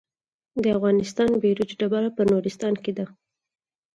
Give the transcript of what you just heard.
د افغانستان بیروج ډبره په نورستان کې ده